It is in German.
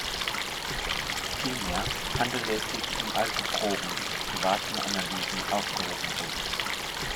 Vielmehr handele es sich um alte Proben, die zu privaten Analysen aufgehoben wurden.